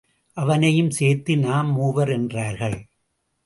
அவனையும் சேர்த்து நாம் மூவர் என்றார்கள்.